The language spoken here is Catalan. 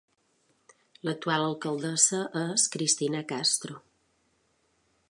L'actual alcaldessa és Cristina Castro.